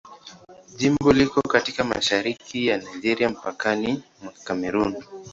Jimbo liko katika mashariki ya Nigeria, mpakani wa Kamerun.